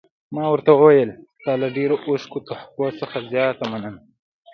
ما ورته وویل: ستا له ډېرو او ښکلو تحفو څخه زیاته مننه.